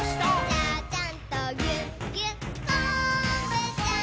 「ちゃちゃんとぎゅっぎゅっこんぶちゃん」